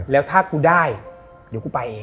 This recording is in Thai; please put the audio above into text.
แล้วถ้ากูได้เดี๋ยวกูไปเอง